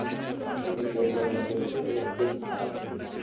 এটি পরিচালনা করেছেন মেহবুব খান।